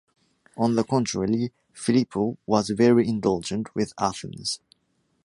On the contrary, Filipo was very indulgent with Athens.